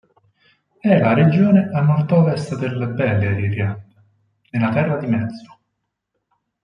È la regione a nord-ovest del Beleriand, nella Terra di Mezzo.